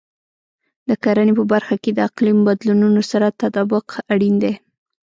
د کرنې په برخه کې د اقلیم بدلونونو سره تطابق اړین دی.